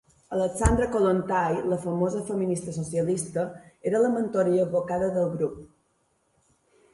Alexandra Kollontai, la famosa feminista socialista, era la mentora i advocada del grup.